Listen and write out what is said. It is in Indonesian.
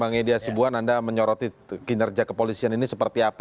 bang ediasibuan anda menyoroti kinerja kepolisian ini seperti apa